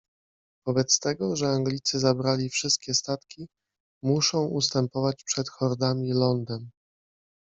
Wobec tego, że Anglicy zabrali wszystkie statki, muszą ustępować przed hordami lądem.